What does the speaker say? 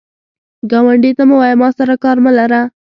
ګاونډي ته مه وایه “ما سره کار مه لره”